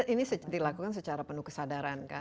ini dilakukan secara penuh kesadaran kan